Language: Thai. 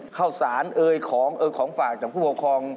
เข้าสารเออของฝากจากผู้ผู้คลอง